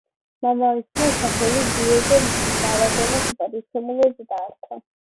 მამამისმა სახელი დიეგო მარადონას საპატივცემულოდ დაარქვა.